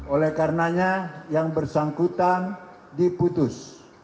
oleh karenanya yang bersangkutan diputus